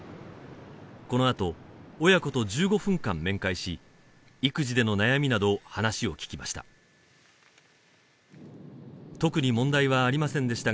このあと親子と１５分間面会し育児での悩みなど話を聞きました